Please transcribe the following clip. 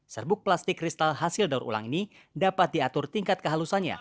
serbuk plastik kristal hasil daur ulang ini dapat diatur tingkat kehalusannya